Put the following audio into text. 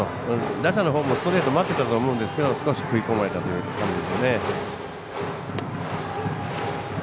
打者のほうもストレートを待っていたと思うんですが少し食い込まれた感じで。